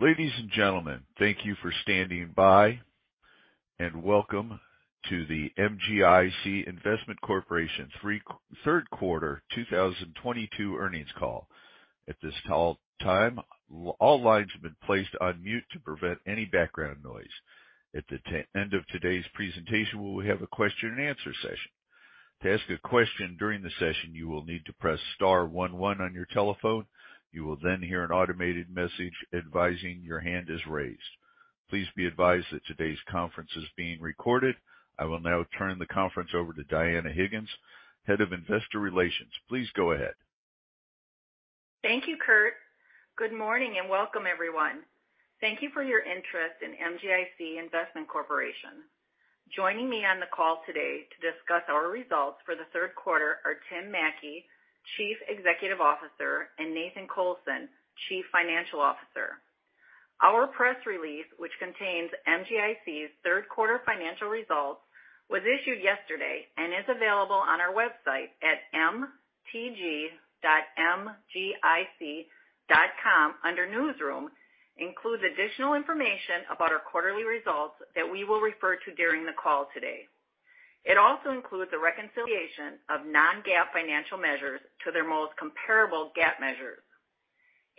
Ladies and gentlemen, thank you for standing by and welcome to the MGIC Investment Corporation third quarter 2022 earnings call. At this call time, all lines have been placed on mute to prevent any background noise. At the end of today's presentation, we will have a question and answer session. To ask a question during the session, you will need to press star one one on your telephone. You will then hear an automated message advising your hand is raised. Please be advised that today's conference is being recorded. I will now turn the conference over to Dianna Higgins, Head of Investor Relations. Please go ahead. Thank you, Kurt. Good morning and welcome everyone. Thank you for your interest in MGIC Investment Corporation. Joining me on the call today to discuss our results for the third quarter are Tim Mattke, Chief Executive Officer, and Nathan Colson, Chief Financial Officer. Our press release, which contains MGIC's third quarter financial results, was issued yesterday and is available on our website at mtg.mgic.com under Newsroom, includes additional information about our quarterly results that we will refer to during the call today. It also includes a reconciliation of non-GAAP financial measures to their most comparable GAAP measures.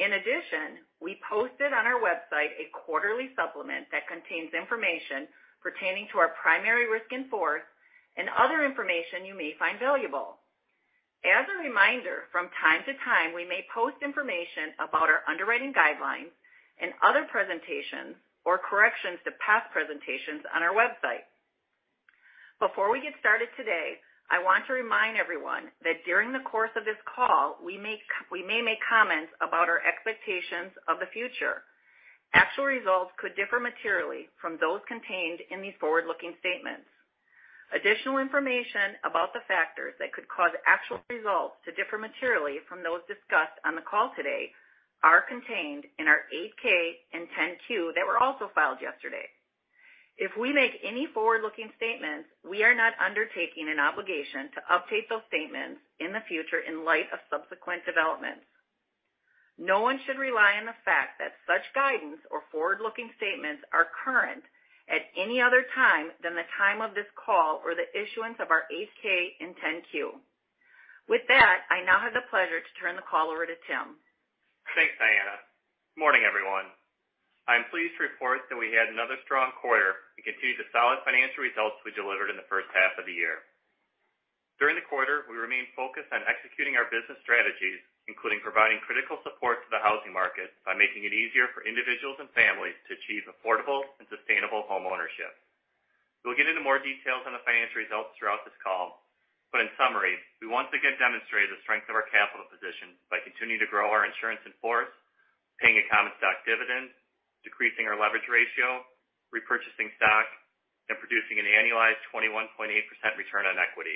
In addition, we posted on our website a quarterly supplement that contains information pertaining to our primary risk in force and other information you may find valuable. As a reminder, from time to time, we may post information about our underwriting guidelines and other presentations or corrections to past presentations on our website. Before we get started today, I want to remind everyone that during the course of this call, we may make comments about our expectations of the future. Actual results could differ materially from those contained in these forward-looking statements. Additional information about the factors that could cause actual results to differ materially from those discussed on the call today are contained in our Form 8-K and Form 10-Q that were also filed yesterday. If we make any forward-looking statements, we are not undertaking an obligation to update those statements in the future in light of subsequent developments. No one should rely on the fact that such guidance or forward-looking statements are current at any other time than the time of this call or the issuance of our Form 8-K and Form 10-Q. With that, I now have the pleasure to turn the call over to Tim. Thanks, Dianna. Morning, everyone. I'm pleased to report that we had another strong quarter and continued the solid financial results we delivered in the first half of the year. During the quarter, we remained focused on executing our business strategies, including providing critical support to the housing market by making it easier for individuals and families to achieve affordable and sustainable homeownership. We'll get into more details on the financial results throughout this call, but in summary, we once again demonstrated the strength of our capital position by continuing to grow our insurance in force, paying a common stock dividend, decreasing our leverage ratio, repurchasing stock, and producing an annualized 21.8% return on equity.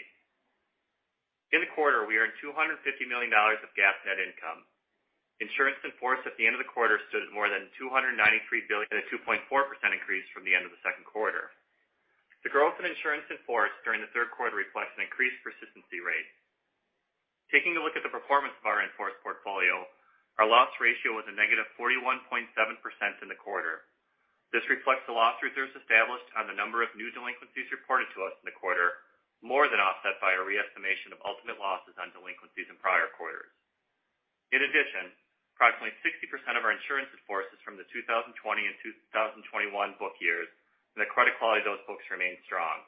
In the quarter, we earned $250 million of GAAP net income. Insurance in force at the end of the quarter stood at more than $293 billion, a 2.4% increase from the end of the second quarter. The growth in insurance in force during the third quarter reflects an increased persistency rate. Taking a look at the performance of our in-force portfolio, our loss ratio was a -41.7% in the quarter. This reflects the loss reserves established on the number of new delinquencies reported to us in the quarter, more than offset by a re-estimation of ultimate losses on delinquencies in prior quarters. In addition, approximately 60% of our insurance in force is from the 2020 and 2021 book years, and the credit quality of those books remains strong.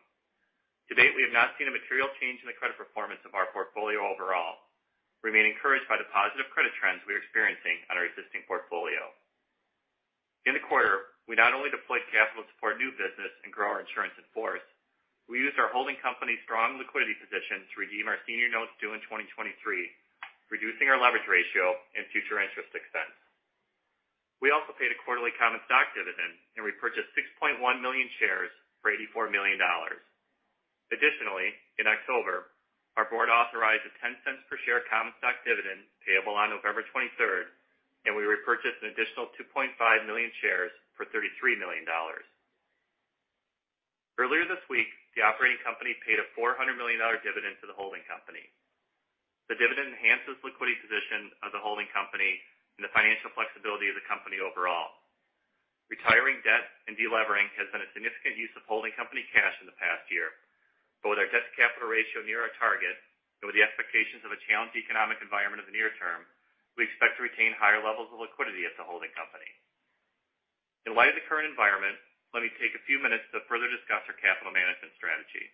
To date, we have not seen a material change in the credit performance of our portfolio overall. We remain encouraged by the positive credit trends we are experiencing on our existing portfolio. In the quarter, we not only deployed capital to support new business and grow our insurance in force, we used our holding company's strong liquidity position to redeem our senior notes due in 2023, reducing our leverage ratio and future interest expense. We also paid a quarterly common stock dividend, and we purchased 6.1 million shares for $84 million. Additionally, in October, our board authorized a $0.10 per share common stock dividend payable on November 23, and we repurchased an additional 2.5 million shares for $33 million. Earlier this week, the operating company paid a $400 million dividend to the holding company. The dividend enhances liquidity position of the holding company and the financial flexibility of the company overall. Retiring debt and de-levering has been a significant use of holding company cash in the past year. With our debt to capital ratio near our target and with the expectations of a challenged economic environment in the near term, we expect to retain higher levels of liquidity at the holding company. In light of the current environment, let me take a few minutes to further discuss our capital management strategy.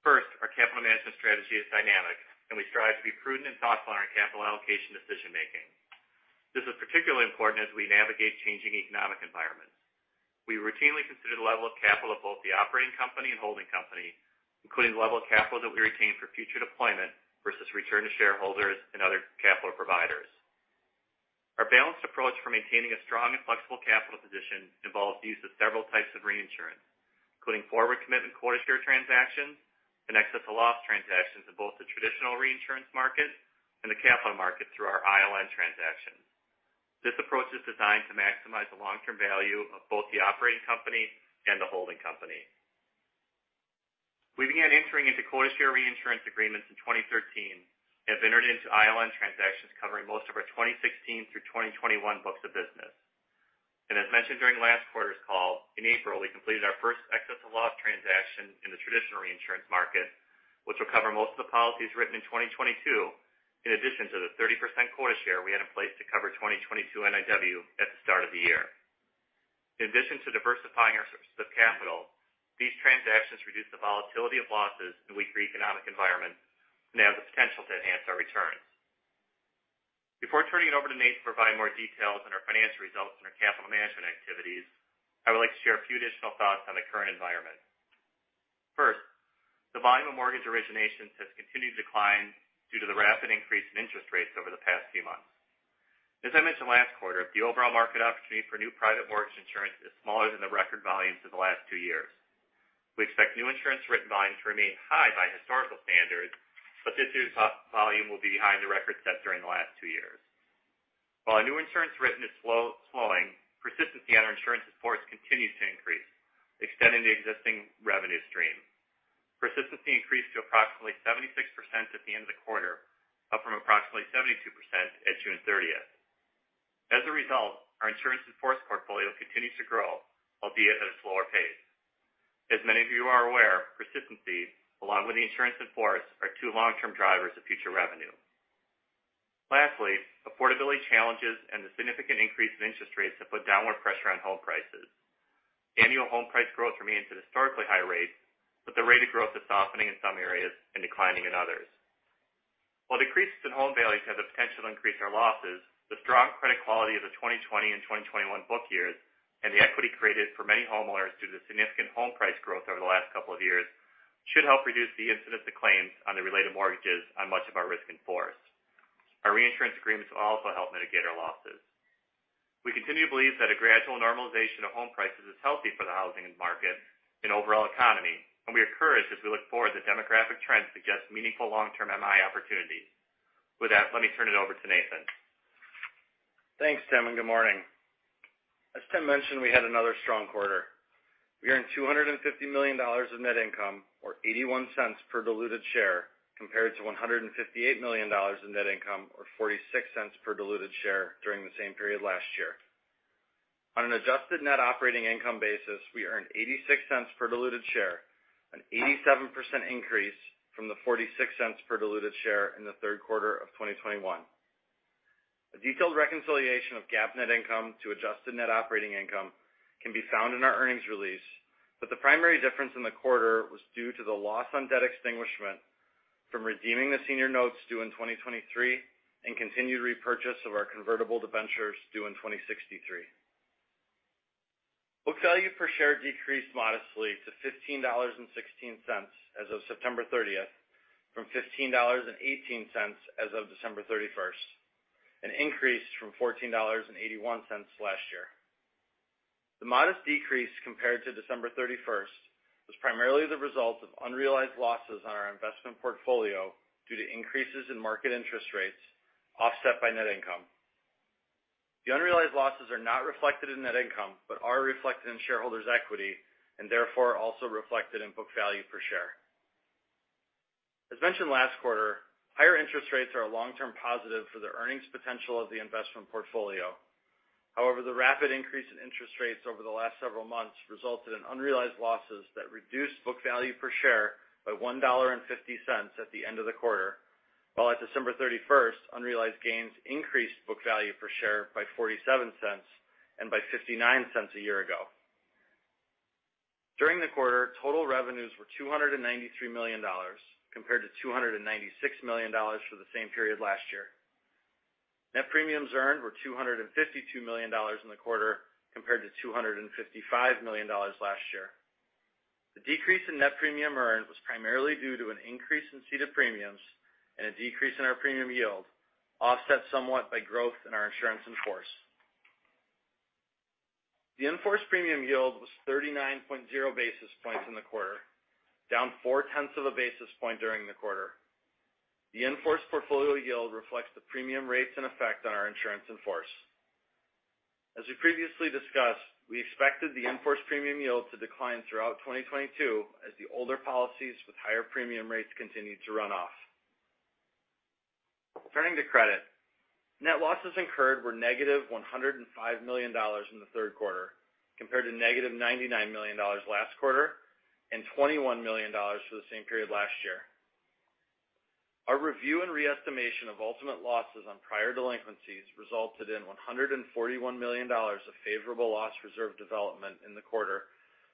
First, our capital management strategy is dynamic, and we strive to be prudent and thoughtful in our capital allocation decision-making. This is particularly important as we navigate changing economic environments. We routinely consider the level of capital of both the operating company and holding company, including the level of capital that we retain for future deployment versus return to shareholders and other capital providers. Our balanced approach for maintaining a strong and flexible capital position involves the use of several types of reinsurance, including forward commitment quota share transactions and excess of loss transactions in both the traditional reinsurance market and the capital market through our ILN transactions. This approach is designed to maximize the long-term value of both the operating company and the holding company. We began entering into quota share reinsurance agreements in 2013, have entered into ILN transactions covering most of our 2016 through 2021 books of business. As mentioned during last quarter's call, in April, we completed our first excess of loss transaction in the traditional reinsurance market, which will cover most of the policies written in 2022, in addition to the 30% quota share we had in place to cover 2022 NIW at the start of the year. In addition to diversifying our sources of capital, these transactions reduce the volatility of losses in weaker economic environments and have the potential to enhance our returns. Before turning it over to Nate to provide more details on our financial results and our capital management activities, I would like to share a few additional thoughts on the current environment. First, the volume of mortgage originations has continued to decline due to the rapid increase in interest rates over the past few months. As I mentioned last quarter, the overall market opportunity for new private mortgage insurance is smaller than the record volumes of the last two years. We expect new insurance written volumes to remain high by historical standards, but this new volume will be behind the record set during the last two years. While our new insurance written is slowing, persistency on our insurance in force continues to increase, extending the existing revenue stream. Persistency increased to approximately 76% at the end of the quarter, up from approximately 72% at June 30th. As a result, our insurance in force portfolio continues to grow, albeit at a slower pace. As many of you are aware, persistency, along with the insurance in force, are two long-term drivers of future revenue. Lastly, affordability challenges and the significant increase in interest rates have put downward pressure on home prices. Annual home price growth remains at historically high rates, but the rate of growth is softening in some areas and declining in others. While decreases in home values have the potential to increase our losses, the strong credit quality of the 2020 and 2021 book years, and the equity created for many homeowners due to significant home price growth over the last couple of years, should help reduce the incidence of claims on the related mortgages on much of our risk in force. Our reinsurance agreements will also help mitigate our losses. We continue to believe that a gradual normalization of home prices is healthy for the housing market and overall economy, and we are encouraged as we look forward that demographic trends suggest meaningful long-term MI opportunities. With that, let me turn it over to Nathan. Thanks, Tim, and good morning. As Tim mentioned, we had another strong quarter. We earned $250 million of net income, or $0.81 per diluted share, compared to $158 million in net income or $0.46 per diluted share during the same period last year. On an adjusted net operating income basis, we earned $0.86 per diluted share, an 87% increase from the $0.46 per diluted share in the third quarter of 2021. A detailed reconciliation of GAAP net income to adjusted net operating income can be found in our earnings release, but the primary difference in the quarter was due to the loss on debt extinguishment from redeeming the senior notes due in 2023 and continued repurchase of our convertible debentures due in 2063. Book value per share decreased modestly to $15.16 as of September thirtieth, from $15.18 as of December thirty-first, an increase from $14.81 last year. The modest decrease compared to December thirty-first was primarily the result of unrealized losses on our investment portfolio due to increases in market interest rates offset by net income. The unrealized losses are not reflected in net income, but are reflected in shareholders' equity and therefore also reflected in book value per share. As mentioned last quarter, higher interest rates are a long-term positive for the earnings potential of the investment portfolio. However, the rapid increase in interest rates over the last several months resulted in unrealized losses that reduced book value per share by $1.50 at the end of the quarter, while at December 31, unrealized gains increased book value per share by $0.47 and by $0.59 a year ago. During the quarter, total revenues were $293 million, compared to $296 million for the same period last year. Net premiums earned were $252 million in the quarter, compared to $255 million last year. The decrease in net premium earned was primarily due to an increase in ceded premiums and a decrease in our premium yield, offset somewhat by growth in our insurance in force. The in-force premium yield was 39.0 basis points in the quarter, down 0.4 basis points during the quarter. The in-force portfolio yield reflects the premium rates in effect on our insurance in force. As we previously discussed, we expected the in-force premium yield to decline throughout 2022 as the older policies with higher premium rates continued to run off. Turning to credit. Net losses incurred were -$105 million in the third quarter, compared to -$99 million last quarter and $21 million for the same period last year. Our review and re-estimation of ultimate losses on prior delinquencies resulted in $141 million of favorable loss reserve development in the quarter,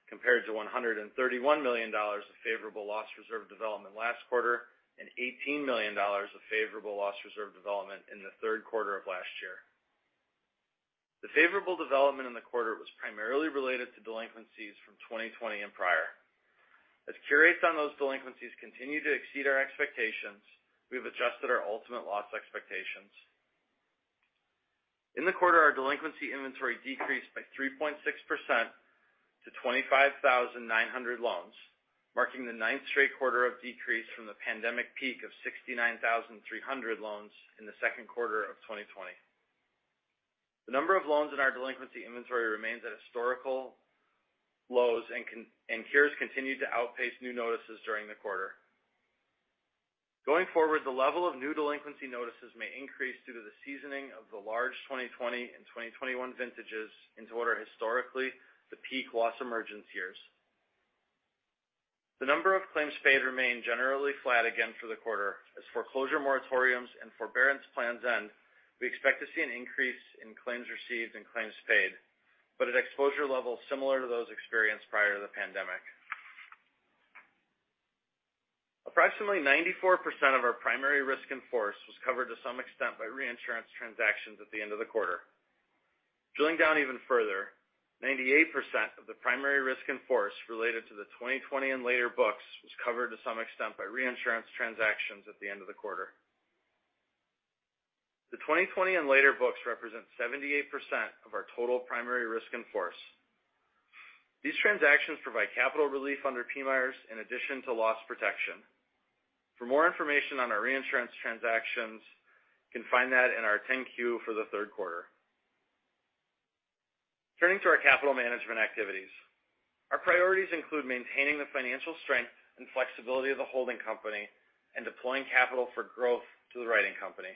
compared to $131 million of favorable loss reserve development last quarter and $18 million of favorable loss reserve development in the third quarter of last year. The favorable development in the quarter was primarily related to delinquencies from 2020 and prior. As cure rates on those delinquencies continue to exceed our expectations, we have adjusted our ultimate loss expectations. In the quarter, our delinquency inventory decreased by 3.6% to 25,900 loans, marking the ninth straight quarter of decrease from the pandemic peak of 69,300 loans in the second quarter of 2020. The number of loans in our delinquency inventory remains at historical lows and cures continued to outpace new notices during the quarter. Going forward, the level of new delinquency notices may increase due to the seasoning of the large 2020 and 2021 vintages into what are historically the peak loss emergence years. The number of claims paid remained generally flat again for the quarter. As foreclosure moratoriums and forbearance plans end, we expect to see an increase in claims received and claims paid, but at exposure levels similar to those experienced prior to the pandemic. Approximately 94% of our primary risk in force was covered to some extent by reinsurance transactions at the end of the quarter. Drilling down even further, 98% of the primary risk in force related to the 2020 and later books was covered to some extent by reinsurance transactions at the end of the quarter. The 2020 and later books represent 78% of our total primary risk in force. These transactions provide capital relief under PMIERs in addition to loss protection. For more information on our reinsurance transactions, you can find that in our 10-Q for the third quarter. Turning to our capital management activities. Our priorities include maintaining the financial strength and flexibility of the holding company and deploying capital for growth to the writing company.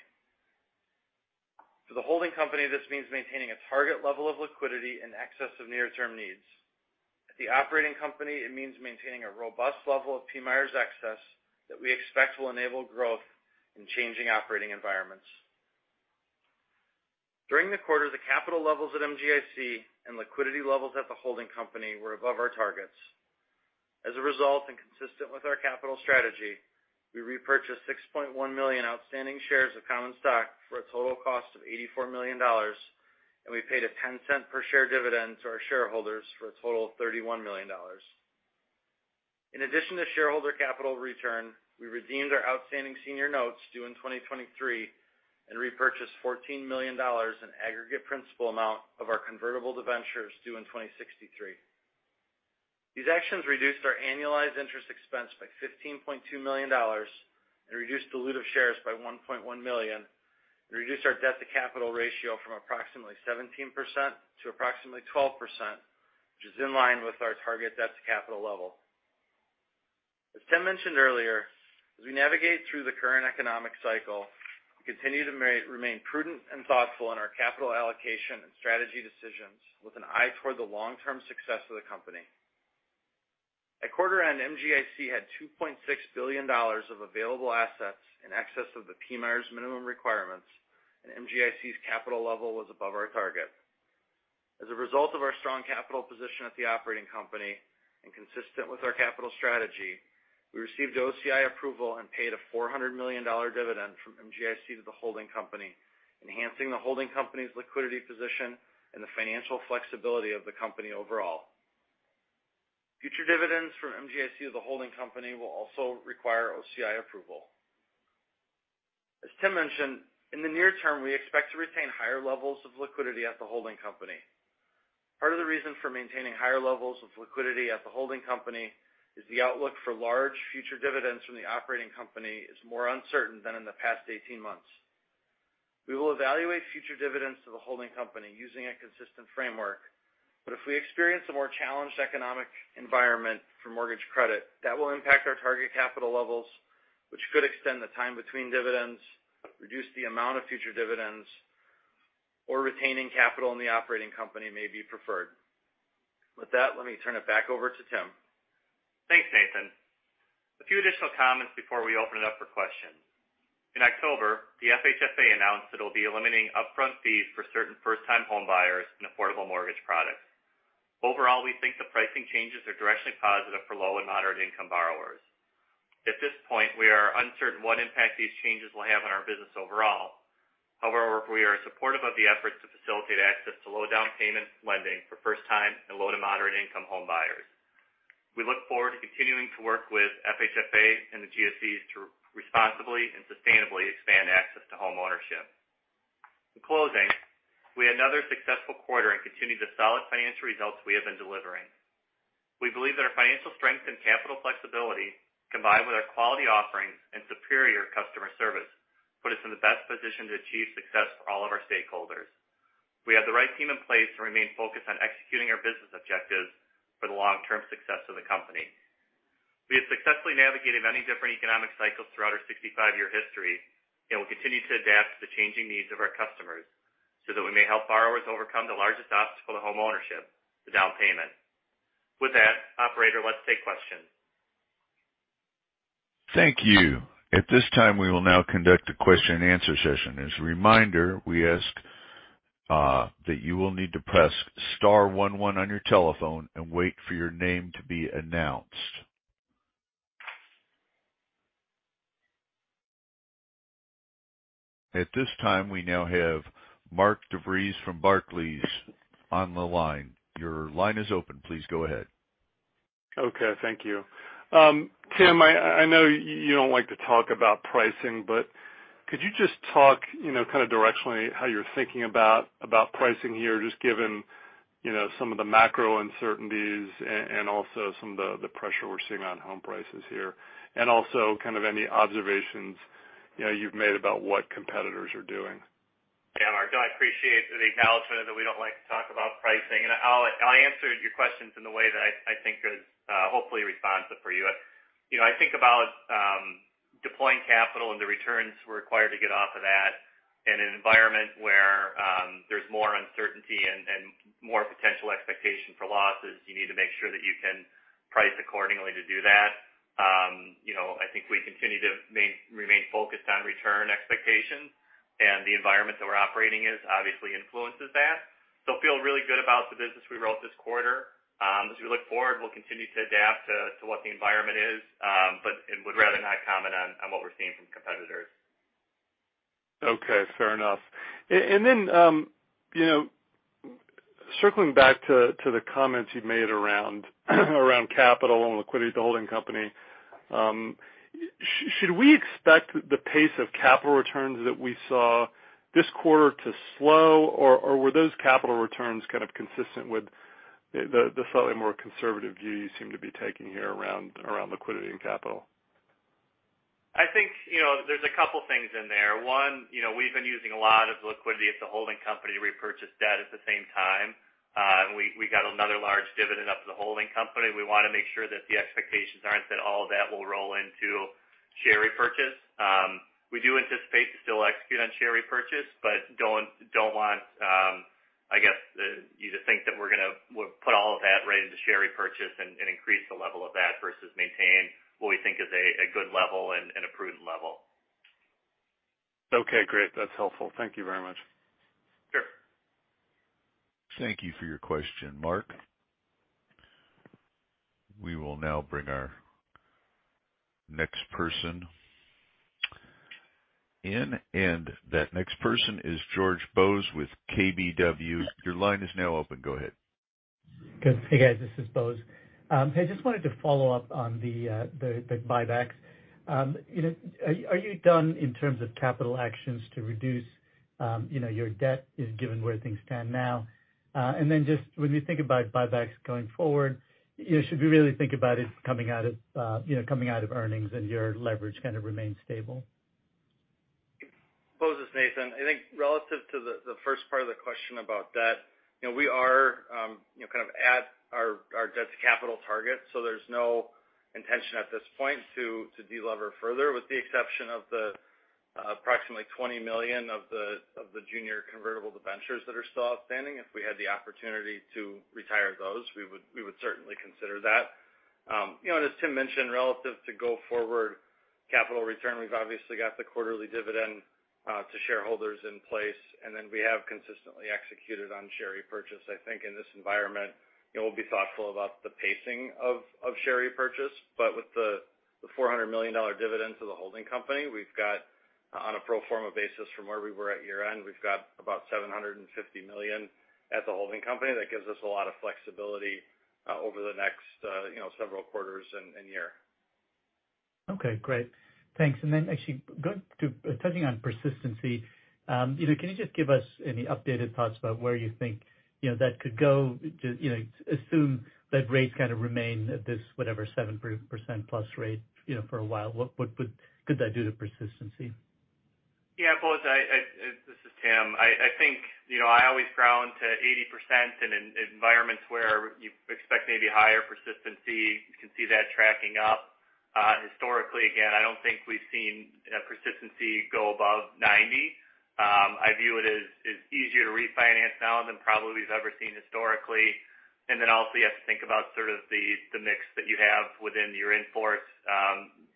For the holding company, this means maintaining a target level of liquidity in excess of near-term needs. At the operating company, it means maintaining a robust level of PMIERs excess that we expect will enable growth in changing operating environments. During the quarter, the capital levels at MGIC and liquidity levels at the holding company were above our targets. As a result, and consistent with our capital strategy, we repurchased 6.1 million outstanding shares of common stock for a total cost of $84 million, and we paid a $0.10 per share dividend to our shareholders for a total of $31 million. In addition to shareholder capital return, we redeemed our outstanding senior notes due in 2023 and repurchased $14 million in aggregate principal amount of our convertible debentures due in 2063. These actions reduced our annualized interest expense by $15.2 million and reduced dilutive shares by 1.1 million, and reduced our debt-to-capital ratio from approximately 17% to approximately 12%, which is in line with our target debt-to-capital level. As Tim mentioned earlier, as we navigate through the current economic cycle, we continue to remain prudent and thoughtful in our capital allocation and strategy decisions with an eye toward the long-term success of the company. At quarter-end, MGIC had $2.6 billion of available assets in excess of the PMIERs minimum requirements, and MGIC's capital level was above our target. As a result of our strong capital position at the operating company, and consistent with our capital strategy, we received OCI approval and paid a $400 million dividend from MGIC to the holding company, enhancing the holding company's liquidity position and the financial flexibility of the company overall. Future dividends from MGIC to the holding company will also require OCI approval. As Tim mentioned, in the near term, we expect to retain higher levels of liquidity at the holding company. Part of the reason for maintaining higher levels of liquidity at the holding company is the outlook for large future dividends from the operating company is more uncertain than in the past 18 months. We will evaluate future dividends to the holding company using a consistent framework. If we experience a more challenged economic environment for mortgage credit, that will impact our target capital levels, which could extend the time between dividends, reduce the amount of future dividends, or retaining capital in the operating company may be preferred. With that, let me turn it back over to Tim. Thanks, Nathan. A few additional comments before we open it up for questions. In October, the FHFA announced it'll be eliminating upfront fees for certain first-time home buyers in affordable mortgage products. Overall, we think the pricing changes are directly positive for low-and moderate-income borrowers. At this point, we are uncertain what impact these changes will have on our business overall. However, we are supportive of the efforts to facilitate access to low down payment lending for first time and low to moderate income home buyers. We look forward to continuing to work with FHFA and the GSEs to responsibly and sustainably expand access to home ownership. In closing, we had another successful quarter and continued the solid financial results we have been delivering. We believe that our financial strength and capital flexibility, combined with our quality offerings and superior customer service, put us in the best position to achieve success for all of our stakeholders. We have the right team in place to remain focused on executing our business objectives for the long-term success of the company. We have successfully navigated many different economic cycles throughout our 65-year history, and we'll continue to adapt to the changing needs of our customers so that we may help borrowers overcome the largest obstacle to home ownership, the down payment. With that, operator, let's take questions. Thank you. At this time, we will now conduct a question-and-answer session. As a reminder, we ask that you will need to press star one one on your telephone and wait for your name to be announced. At this time, we now have Mark DeVries from Barclays on the line. Your line is open. Please go ahead. Okay, thank you. Tim, I know you don't like to talk about pricing, but could you just talk, you know, kind of directionally how you're thinking about pricing here, just given, you know, some of the macro uncertainties and also some of the pressure we're seeing on home prices here, and also kind of any observations, you know, you've made about what competitors are doing. Yeah, Mark. No, I appreciate the acknowledgement that we don't like to talk about pricing, and I'll answer your questions in the way that I think is hopefully responsive for you. You know, I think about deploying capital and the returns we're required to get off of that. In an environment where there's more uncertainty and more potential expectation for losses, you need to make sure that you can price accordingly to do that. You know, I think we continue to remain focused on return expectations and the environment that we're operating is obviously influences that. Feel really good about the business we wrote this quarter. As we look forward, we'll continue to adapt to what the environment is, but would rather not comment on what we're seeing from competitors. Okay. Fair enough. You know, circling back to the comments you made around capital and liquidity at the holding company, should we expect the pace of capital returns that we saw this quarter to slow, or were those capital returns kind of consistent with the slightly more conservative view you seem to be taking here around liquidity and capital? I think, you know, there's a couple things in there. One, you know, we've been using a lot of liquidity at the holding company to repurchase debt at the same time. We got another large dividend up to the holding company. We wanna make sure that the expectations aren't that all of that will roll into share repurchase. We do anticipate to still execute on share repurchase, but don't want, I guess, you to think that we'll put all of that right into share repurchase and increase the level of that versus maintain what we think is a good level and a prudent level. Okay, great. That's helpful. Thank you very much. Sure. Thank you for your question, Mark. We will now bring our next person in, and that next person is George Bose with KBW. Your line is now open. Go ahead. Good. Hey, guys, this is Bose. I just wanted to follow up on the buybacks. You know, are you done in terms of capital actions to reduce, you know, your debt as given where things stand now? And then just when you think about buybacks going forward, you know, should we really think about it coming out of, you know, coming out of earnings and your leverage kind of remain stable? Bose, this is Nathan. I think relative to the first part of the question about debt, you know, we are kind of at our debt to capital target, so there's no intention at this point to de-lever further, with the exception of the approximately $20 million of the junior convertible debentures that are still outstanding. If we had the opportunity to retire those, we would certainly consider that. You know, as Tim mentioned, relative to go forward capital return, we've obviously got the quarterly dividend to shareholders in place, and then we have consistently executed on share repurchase. I think in this environment, you know, we'll be thoughtful about the pacing of share repurchase. With the $400 million dividend to the holding company, we've got on a pro forma basis from where we were at year-end, we've got about $750 million at the holding company. That gives us a lot of flexibility over the next, you know, several quarters and year. Okay. Great. Thanks. Actually touching on persistency, you know, can you just give us any updated thoughts about where you think, you know, that could go? You know, assume that rates kind of remain at this, whatever, 7%+ rate, you know, for a while. What could that do to persistency? Yeah. Bose, this is Tim. I think, you know, I always ground to 80% in environments where you expect maybe higher persistency. You can see that tracking up. Historically, again, I don't think we've seen persistency go above 90%. I view it as easier to refinance now than probably we've ever seen historically. You have to think about sort of the mix that you have within your in-force,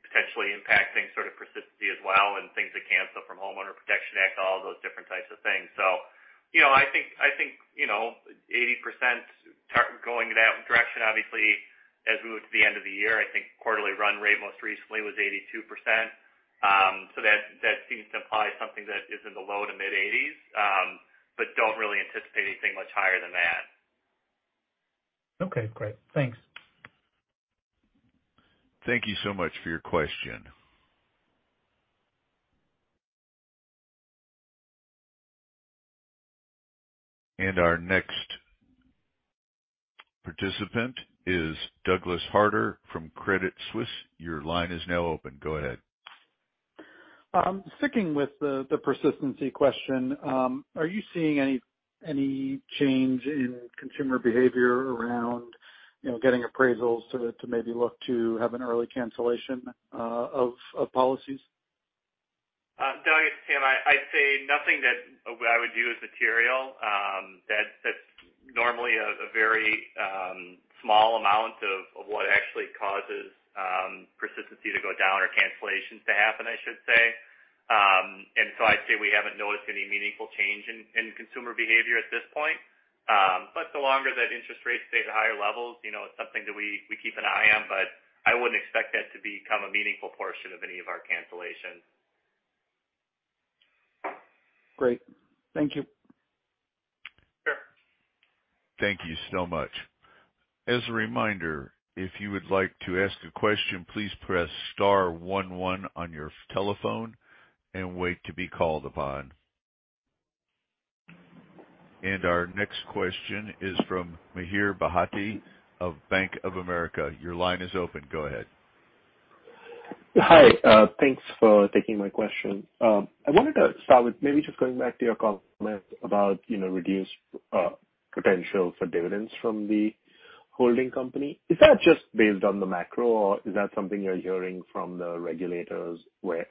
potentially impacting sort of persistency as well, and things that cancel from Homeowners Protection Act, all those different types of things. You know, I think 80% target going that direction, obviously, as we move to the end of the year. I think quarterly run rate most recently was 82%. That seems to imply something that is in the low- to mid-80s%, but don't really anticipate anything much higher than that. Okay. Great. Thanks. Thank you so much for your question. Our next participant is Douglas Harter from Credit Suisse. Your line is now open. Go ahead. Sticking with the persistency question, are you seeing any change in consumer behavior around, you know, getting appraisals to maybe look to have an early cancellation of policies? Doug, it's Tim. I'd say nothing that I would view as material. That's normally a very small amount of what actually causes persistency to go down or cancellations to happen, I should say. I'd say we haven't noticed any meaningful change in consumer behavior at this point. The longer that interest rates stay at higher levels, you know, it's something that we keep an eye on, but I wouldn't expect that to become a meaningful portion of any of our cancellations. Great. Thank you. Sure. Thank you so much. As a reminder, if you would like to ask a question, please press star one one on your telephone and wait to be called upon. Our next question is from Mihir Bhatia of Bank of America. Your line is open. Go ahead. Hi, thanks for taking my question. I wanted to start with maybe just going back to your comment about reduced potential for dividends from the holding company. Is that just based on the macro, or is that something you're hearing from the regulators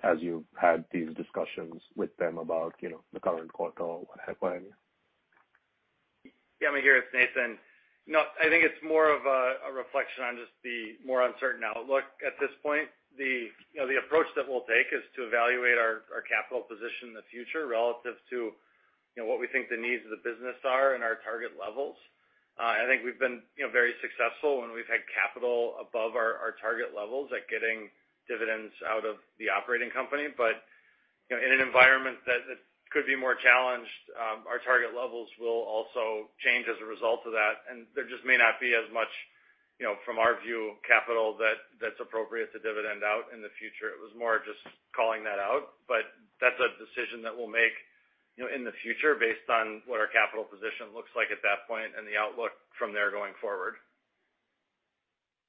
as you've had these discussions with them about the current quarter or what have you? Yeah, Mihir, it's Nathan. No, I think it's more of a reflection on just the more uncertain outlook at this point. You know, the approach that we'll take is to evaluate our capital position in the future relative to, you know, what we think the needs of the business are and our target levels. I think we've been, you know, very successful when we've had capital above our target levels at getting dividends out of the operating company. But you know, in an environment that could be more challenged, our target levels will also change as a result of that, and there just may not be as much, you know, from our view, capital that's appropriate to dividend out in the future. It was more just calling that out. That's a decision that we'll make, you know, in the future based on what our capital position looks like at that point and the outlook from there going forward.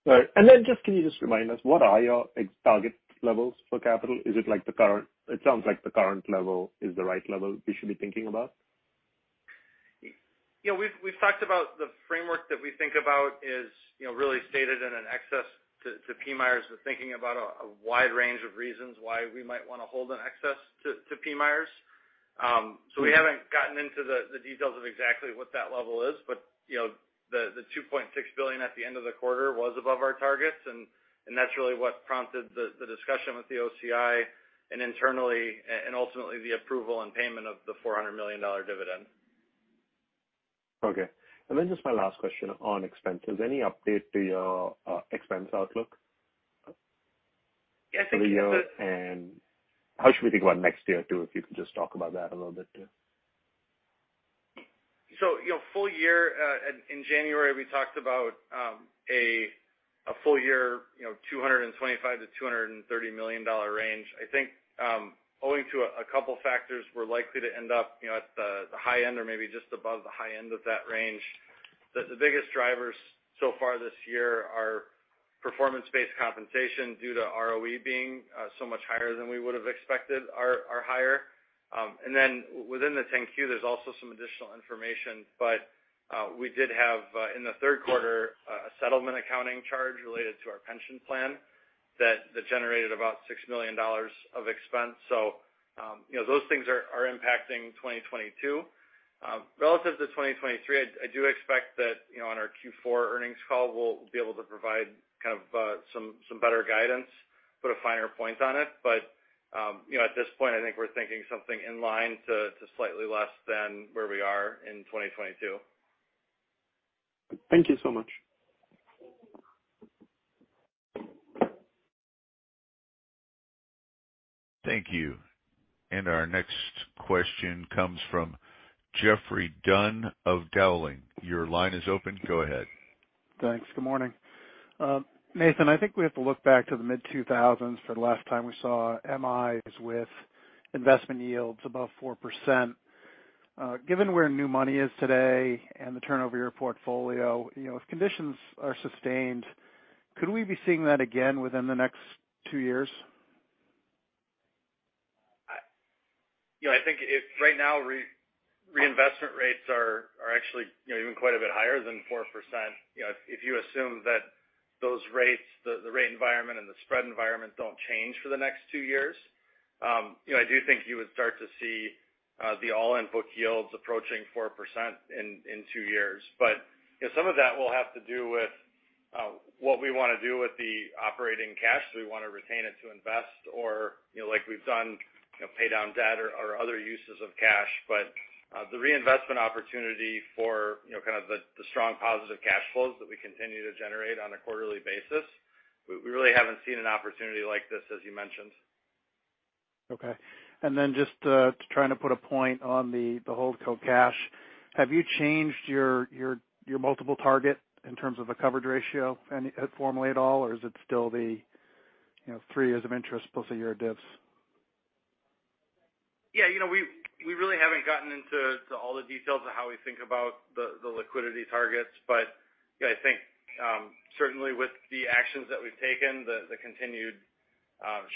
Right. Just can you just remind us, what are your target levels for capital? Is it like the current, it sounds like the current level is the right level we should be thinking about. Yeah, we've talked about the framework that we think about is, you know, really stated in an excess to PMIERs, we're thinking about a wide range of reasons why we might wanna hold in excess to PMIERs. So we haven't gotten into the details of exactly what that level is. You know, the $2.6 billion at the end of the quarter was above our targets, and that's really what prompted the discussion with the OCI and internally and ultimately the approval and payment of the $400 million dividend. Okay. Just my last question on expenses. Any update to your expense outlook? Yeah, I think. For the year, and how should we think about next year too, if you can just talk about that a little bit too? You know, full year in January, we talked about a full year, you know, $225 million-$230 million range. I think, owing to a couple factors, we're likely to end up, you know, at the high end or maybe just above the high end of that range. The biggest drivers so far this year are performance-based compensation due to ROE being so much higher than we would have expected are higher. And then within the 10-Q, there's also some additional information. We did have in the third quarter a settlement accounting charge related to our pension plan that generated about $6 million of expense. You know, those things are impacting 2022. Relative to 2023, I do expect that, you know, on our Q4 earnings call, we'll be able to provide kind of some better guidance, put a finer point on it. You know, at this point, I think we're thinking something in line to slightly less than where we are in 2022. Thank you so much. Thank you. Our next question comes from Geoffrey Dunn of Dowling & Partners. Your line is open. Go ahead. Thanks. Good morning. Nathan, I think we have to look back to the mid-2000s for the last time we saw MIs with investment yields above 4%. Given where new money is today and the turnover of your portfolio, you know, if conditions are sustained, could we be seeing that again within the next two years? You know, I think if right now reinvestment rates are actually, you know, even quite a bit higher than 4%. You know, if you assume that those rates, the rate environment and the spread environment don't change for the next two years, you know, I do think you would start to see the all-in book yields approaching 4% in two years. You know, some of that will have to do with what we wanna do with the operating cash. Do we wanna retain it to invest or, you know, like we've done, you know, pay down debt or other uses of cash. The reinvestment opportunity for, you know, kind of the strong positive cash flows that we continue to generate on a quarterly basis, we really haven't seen an opportunity like this, as you mentioned. Okay. Just trying to put a point on the holdco cash. Have you changed your multiple target in terms of a coverage ratio any formally at all, or is it still, you know, three years of interest plus a year of divs? Yeah. You know, we really haven't gotten into all the details of how we think about the liquidity targets. You know, I think certainly with the actions that we've taken, the continued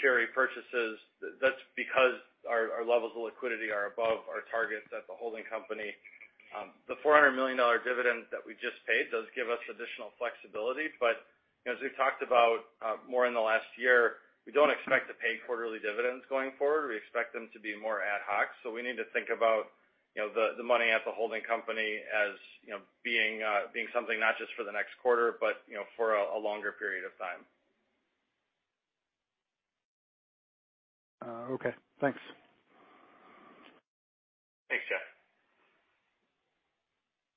share repurchases, that's because our levels of liquidity are above our targets at the holding company. The $400 million dividend that we just paid does give us additional flexibility. You know, as we've talked about more in the last year, we don't expect to pay quarterly dividends going forward. We expect them to be more ad hoc. We need to think about you know, the money at the holding company as you know, being something not just for the next quarter, but you know, for a longer period of time. Okay. Thanks. Thanks, Geoffrey.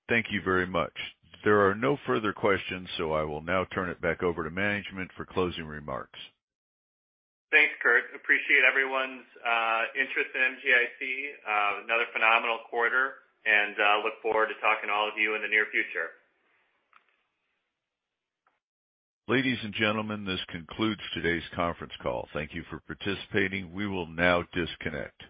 Thank you very much. There are no further questions, so I will now turn it back over to management for closing remarks. Thanks, Kurt. Appreciate everyone's interest in MGIC. Another phenomenal quarter, and look forward to talking to all of you in the near future. Ladies and gentlemen, this concludes today's conference call. Thank you for participating. We will now disconnect.